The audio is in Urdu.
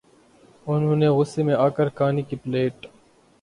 انھوں نے غصے میں آ کر کھانے کی پلیٹ